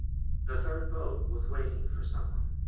The third boat was waiting for some one.